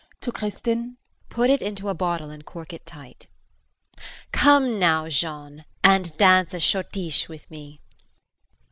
[To Kristin]. Put it into a bottle and cork it tight. Come now, Jean and dance a schottische with me.